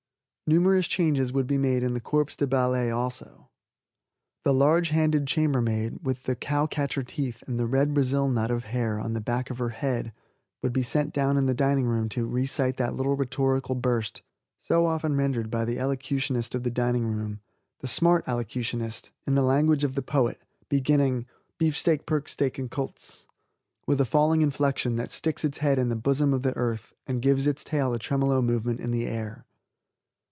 Numerous changes would be made in the corps de ballet also. The large handed chambermaid, with the cow catcher teeth and the red Brazil nut of hair on the back of her head, would be sent down in the dining room to recite that little rhetorical burst so often rendered by the elocutionist of the dining room the smart Aleckutionist, in the language of the poet, beginning: "Bfsteakprkstk'ncoldts," with a falling inflection that sticks its head into the bosom of the earth and gives its tail a tremolo movement in the air.